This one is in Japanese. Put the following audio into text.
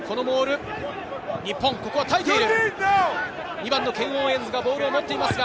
日本、ここは耐えている。